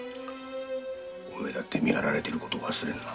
お前だって見張られてることを忘れるな。